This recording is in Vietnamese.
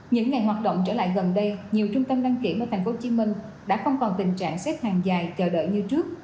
nhưng khoảng hai mươi triệu đồng trong công ty đăng kiểm ở tp hcm đã không còn tình trạng xếp hàng dài chờ đợi như trước